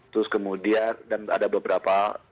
terus kemudian dan ada beberapa